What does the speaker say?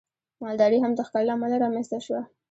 مالداري هم د ښکار له امله رامنځته شوه.